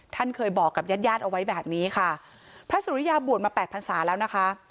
ท่านเคยบอกกับญาติญาติเอาไว้แบบนี้ค่ะพระสุริยาบวชมาแปดพันศาแล้วนะคะ